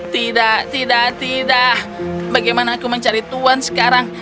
tidak tidak tidak bagaimana aku mencari tuhan sekarang